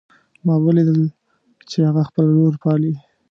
ما ولیدل چې هغه خپله لور پالي